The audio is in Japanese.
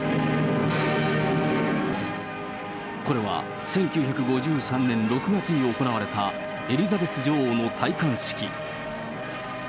これは１９５３年６月に行われたエリザベス女王の戴冠式。